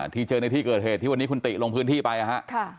ที่เจอในที่เกิดเหตุที่วันนี้คุณติลงพื้นที่ไปนะครับ